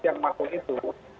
yang masuk itu